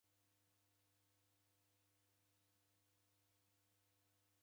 W'egoma w'ikaw'ika viria andonyi.